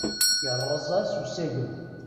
Yerreẓ-as usagem.